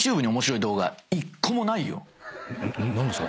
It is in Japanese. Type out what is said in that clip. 何ですか？